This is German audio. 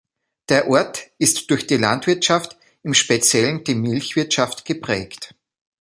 Der Ort ist durch die Landwirtschaft, im Speziellen die Milchwirtschaft geprägt.